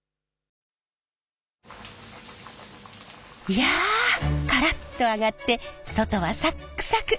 いやカラッと揚がって外はサックサク！